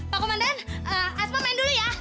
pak komandan asmo main dulu ya